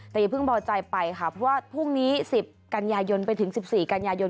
แต่อย่าเพิ่งพอใจไปค่ะเพราะว่าพรุ่งนี้๑๐กันยายนไปถึง๑๔กันยายน